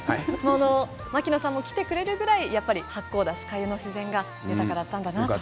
牧野さんも来てくれるぐらい八甲田、酸ヶ湯の自然が豊かだったんだなと。